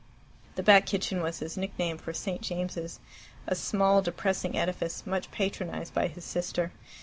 The Back Kitchen was his nickname for St. James's, a small depressing edifice much patronized by his sister.